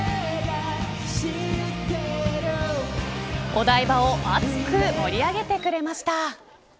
お台場を熱く盛り上げてくれました。